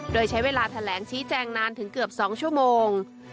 โดยใช้เวลาแถลงชี้แจงนานถึงเกือบ๒ชั่วโมง